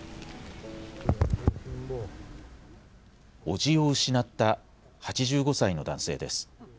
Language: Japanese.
おじを失った８５歳の男性です。